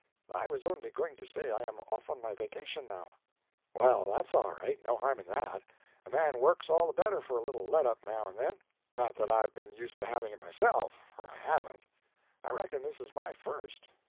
"I was only going to say I am off on my vacation now." "Well that's all right. No harm in that. A man works all the better for a little let up now and then. Not that I've been used to having it myself; for I haven't. I reckon this is my first.